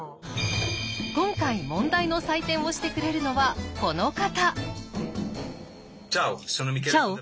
今回問題の採点をしてくれるのはこの方！